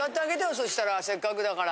そしたらせっかくだから。